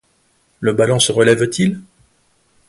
Le ballon se relève-t-il?